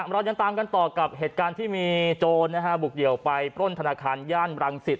เรายังตามกันต่อกับเหตุการณ์ที่มีโจรบุกเดี่ยวไปปล้นธนาคารย่านรังสิต